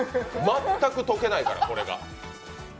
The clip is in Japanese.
全く溶けないから、これが。